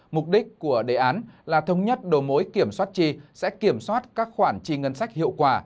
mục đích của đề án là thống nhất đầu mối kiểm soát chi sẽ kiểm soát các khoản chi ngân sách hiệu quả